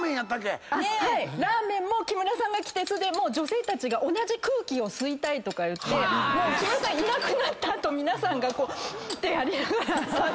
ラーメンも木村さんが来て女性たちが同じ空気を吸いたいとかいって木村さんいなくなった後皆さんがふんふんってやりながら殺到して。